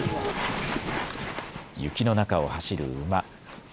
雪の中を走る馬。